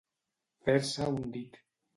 Fer-se un dit.